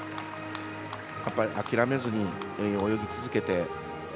諦めずに、泳ぎ続けて。